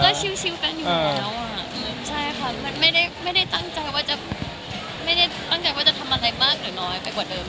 เราก็ชิวกันอยู่แล้วไม่ได้ตั้งใจว่าจะทำอะไรมากหรือน้อยไปกว่าเดิม